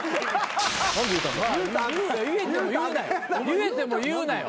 言えても言うなよ。